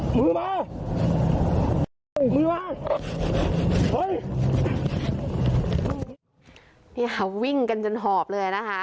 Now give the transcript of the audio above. มือมามือมานี่ค่ะวิ่งกันจนหอบเลยนะคะ